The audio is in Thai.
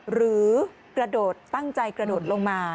หรือกระโดดตั้งใจกระโดดลงมา